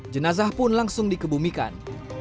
jenazah pun langsung dikebumikan